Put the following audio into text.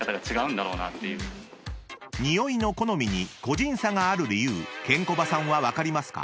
［ニオイの好みに個人差がある理由ケンコバさんは分かりますか？］